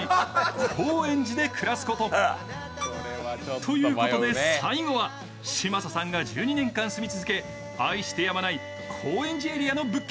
ということで最後は、嶋佐さんが１２年間住み続け愛してやまない高円寺エリアの物件。